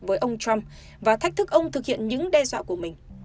với ông trump và thách thức ông thực hiện những đe dọa của mình